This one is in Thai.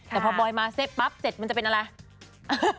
แต่พบอยมาเซฟพับเซฟมันจะเป็นอะไร